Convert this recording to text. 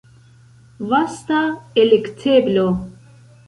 Vasta elekteblo.